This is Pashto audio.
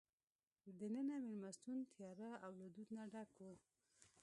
دننه مېلمستون تیاره او له دود نه ډک وو.